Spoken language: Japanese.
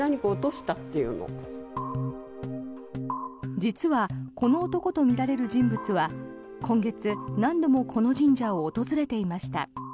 実は、この男とみられる人物は今月、何度もこの神社を訪れていました。